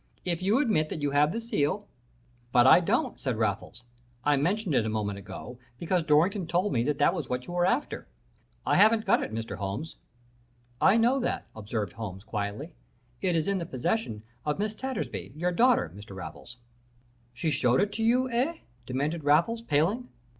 If you admit that you have the seal " "'But I don't,' said Raffles. 'I mentioned it a moment ago, because Dorrington told me that was what you were after. I haven't got it, Mr. Holmes.' "'I know that,' observed Holmes, quietly. 'It is in the possession of Miss Tattersby, your daughter, Mr. Raffles.' "'She showed it to you, eh?' demanded Raffles, paling.